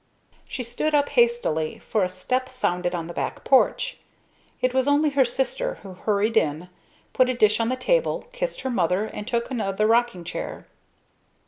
She stood up hastily, for a step sounded on the back porch. It was only her sister, who hurried in, put a dish on the table, kissed her mother and took another rocking chair.